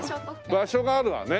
場所があるわね。